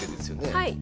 はい。